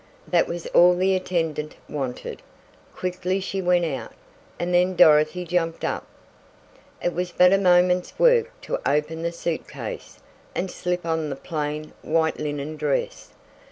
That was all the attendant wanted. Quickly she went out, and then Dorothy jumped up. It was but a moment's work to open the suit case, and slip on the plain, white, linen dress.